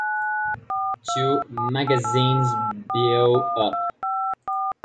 Two magazines blew up.